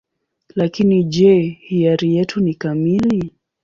Lakini je, hiari yetu ni kamili?